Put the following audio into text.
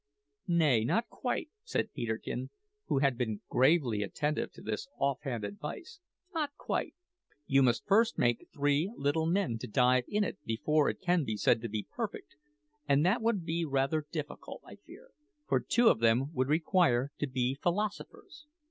"Nay, not quite," said Peterkin, who had been gravely attentive to this off hand advice "not quite. You must first make three little men to dive in it before it can be said to be perfect; and that would be rather difficult, I fear, for two of them would require to be philosophers.